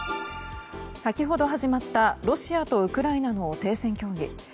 先ほど始まったロシアとウクライナの停戦協議。